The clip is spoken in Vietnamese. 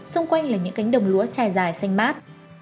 xung quanh là những cánh đồng lúa trải dài xanh mát